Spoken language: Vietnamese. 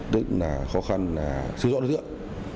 đó chính là khó khăn sử dụng đối tượng